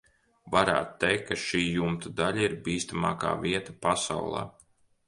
Varētu teikt, ka šī jumta daļa ir bīstamākā vieta pasaulē.